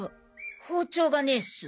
包丁がねえっす。